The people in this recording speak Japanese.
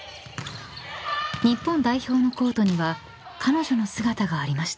［日本代表のコートには彼女の姿がありました］